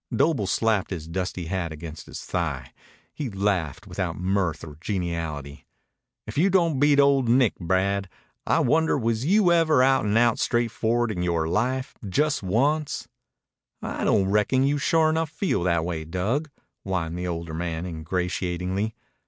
Doble slapped his dusty hat against his thigh. He laughed, without mirth or geniality. "If you don't beat Old Nick, Brad. I wonder was you ever out an' out straightforward in yore life. Just once?" "I don't reckon you sure enough feel that way, Dug," whined the older man ingratiatingly.